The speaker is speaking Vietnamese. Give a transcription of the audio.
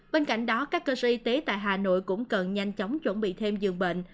bên cạnh đó các cơ sở y tế tại hà nội cũng cần nhanh chóng chuẩn bị thêm giường bệnh